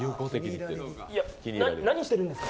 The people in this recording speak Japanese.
何してるんですか？